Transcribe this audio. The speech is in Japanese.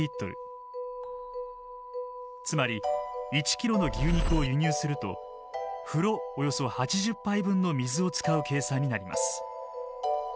つまり１ｋｇの牛肉を輸入すると風呂およそ８０杯分の水を使う計算になります。